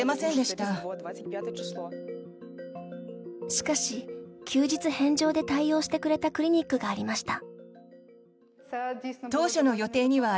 しかし休日返上で対応してくれたクリニックがありました。